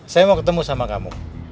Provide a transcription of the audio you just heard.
saya mau ketemu sama kamu